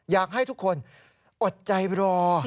อยากให้ทุกคนอดใจรอ